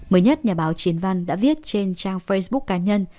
mới nhất nhà báo chiến văn đã viết trên trang facebook cá nhân